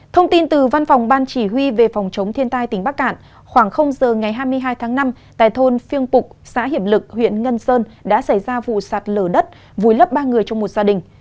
thông tin từ văn phòng ban chỉ huy về phòng chống thiên tai tỉnh bắc cạn khoảng giờ ngày hai mươi hai tháng năm tại thôn phiêng bục xã hiểm lực huyện ngân sơn đã xảy ra vụ sạt lở đất vùi lấp ba người trong một gia đình